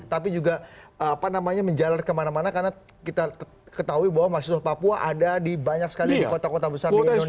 tapi juga menjalar kemana mana karena kita ketahui bahwa mahasiswa papua ada di banyak sekali di kota kota besar di indonesia